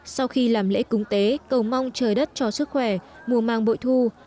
sau khi làm lễ cúng tế cầu mong trời đất cho sức khỏe mùa mang bội thu